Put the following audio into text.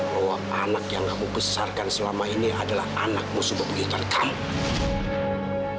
bahwa anak yang aku besarkan selama ini adalah anak musuh bebu ikan kamu